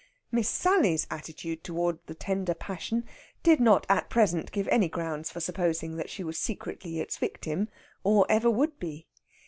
Miss Sally's attitude toward the tender passion did not at present give any grounds for supposing that she was secretly its victim, or ever would be.